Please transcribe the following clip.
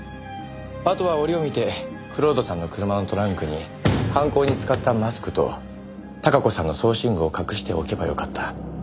あとは折を見て蔵人さんの車のトランクに犯行に使ったマスクと孝子さんの装身具を隠しておけばよかった。